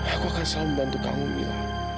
aku akan selalu membantu kamu bilang